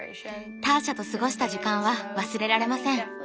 ターシャと過ごした時間は忘れられません。